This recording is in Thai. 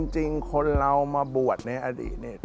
จริงคนเรามาบวชในอดีตเนี่ย